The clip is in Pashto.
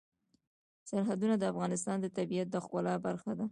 سرحدونه د افغانستان د طبیعت د ښکلا برخه ده.